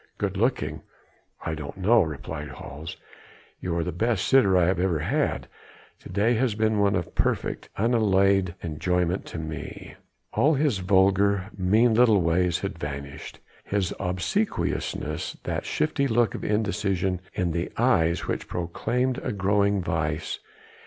"Good looking? I don't know," replied Hals, "you are the best sitter I have ever had. To day has been one of perfect, unalloyed enjoyment to me." All his vulgar, mean little ways had vanished, his obsequiousness, that shifty look of indecision in the eyes which proclaimed a growing vice.